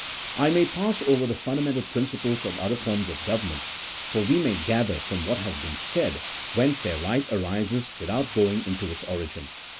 I may pass over the fundamental principles of other forms of government, for we may gather from what has been said whence their right arises without going into its origin.